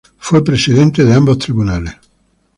De ambos tribunales fue su presidente.